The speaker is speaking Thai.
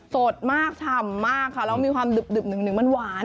สดมากชำมากนะครับแล้วก็มีความดื่มสดหนึ่งมันหวาน